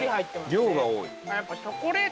量が多い。